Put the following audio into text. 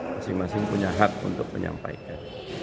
masing masing punya hak untuk menyampaikan